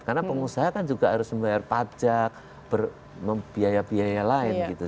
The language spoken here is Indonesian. karena pengusaha kan juga harus membayar pajak membiaya biaya lain gitu